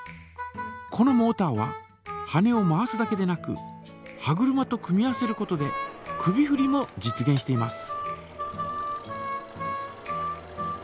このモータは羽根を回すだけでなく歯車と組み合わせることで首ふりも実げんしています。